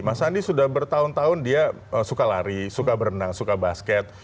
mas andi sudah bertahun tahun dia suka lari suka berenang suka basket